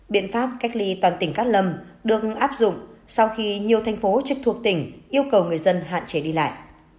biện pháp cách ly toàn tỉnh cát lâm được áp dụng sau khi nhiều thành phố trực thuộc tỉnh yêu cầu người dân hạn chế đi lại